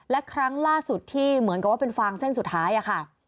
และครั้งล่าสุดที่เหมือนกับว่าเป็นฟางเส้นสุดท้ายค่ะ